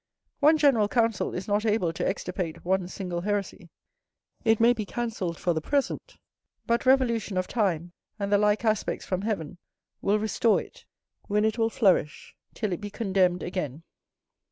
One general council is not able to extirpate one single heresy: it may be cancelled for the present; but revolution of time, and the like aspects from heaven, will restore it, when it will flourish till it be condemned again.